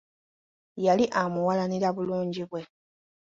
Yali amuwalanira bulungi bwe.